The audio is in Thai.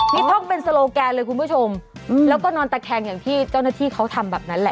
นี่ท่องเป็นโซโลแกนเลยคุณผู้ชมแล้วก็นอนตะแคงอย่างที่เจ้าหน้าที่เขาทำแบบนั้นแหละ